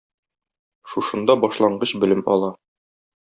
Шушында башлангыч белем ала.